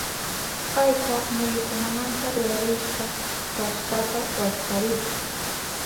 Payka muyukunamanta rurarishka wallkata wallkarirka.